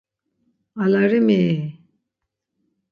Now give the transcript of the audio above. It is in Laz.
Alarimi!